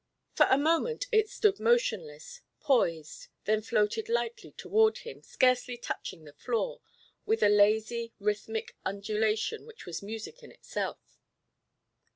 For a moment it stood motionless, poised, then floated lightly toward him, scarcely touching the floor, with a lazy rhythmic undulation which was music in itself.